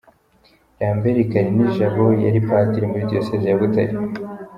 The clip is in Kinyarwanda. Lambert Kalinijabo yari padiri muri diyoseze ya Butare.